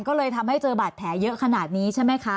ก็เลยทำให้เจอบาดแผลเยอะขนาดนี้ใช่ไหมคะ